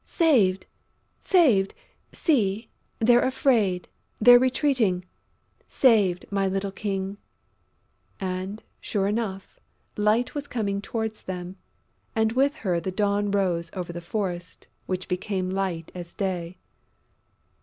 Saved! Saved!... See, they're afraid, they're retreating!... Saved, my little king!..." And, sure enough, Light was coming towards them; and with her the dawn rose over the forest, which became light as day.